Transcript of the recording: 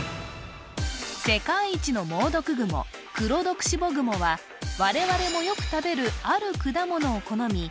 世界一の猛毒グモクロドクシボグモはわれわれもよく食べるある果物を好み